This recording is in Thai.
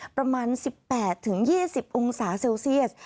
ประมาณ๑๘๒๐องศาเซลเซียส